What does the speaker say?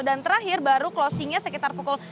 dan terakhir baru closingnya sekitar pukul sepuluh